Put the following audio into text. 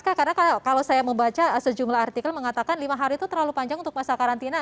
karena kalau saya membaca sejumlah artikel mengatakan lima hari itu terlalu panjang untuk masa karantina